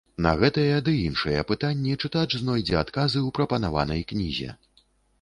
На гэтыя ды іншыя пытанні чытач знойдзе адказы ў прапанаванай кнізе.